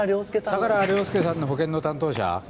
相良凌介さんの保険の担当者？